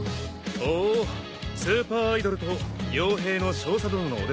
ほうスーパーアイドルと傭兵の少佐殿のお出ましか。